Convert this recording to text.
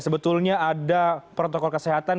sebetulnya ada protokol kesehatan